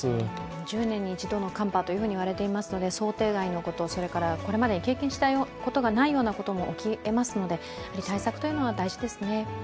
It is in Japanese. １０年に一度の寒波と言われていますので想定外のこと、これまでに経験したことがないようなことも起きえますので、対策というのは大事ですね。